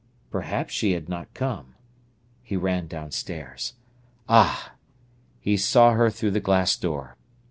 Perhaps she had not come. He ran downstairs. Ah! he saw her through the glass door.